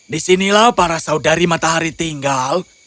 disinilah para saudari matahari tinggal